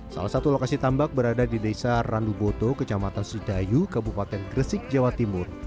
salah satu lokasi tambak berada di desa randuboto kecamatan sudayu kabupaten gresik jawa timur